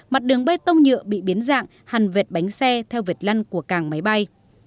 mặt đường bê tông nhựa bị biến dạng hành vẹt bánh xe theo vẹt lăn của càng máy bay